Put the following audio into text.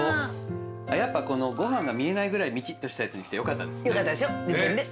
やっぱご飯が見えないぐらいミチっとしたやつにしてよかったですね。